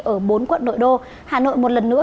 ở bốn quận nội đô hà nội một lần nữa